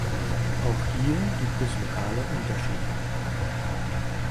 Auch hier gibt es lokale Unterschiede.